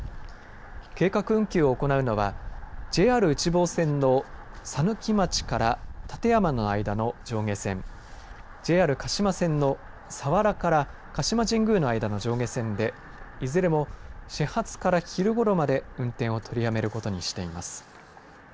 計画運休を行うのはＪＲ内房線の佐貫町から館山の間の上下線ＪＲ鹿島線の佐原から鹿島神宮の間の上下線でいずれも始発から昼ごろまで運転を取りやめることにしています。